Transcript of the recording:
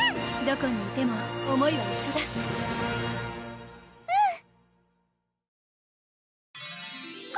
どこにいても思いは一緒だうん！